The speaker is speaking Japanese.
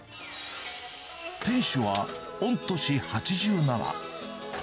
店主は御年８７。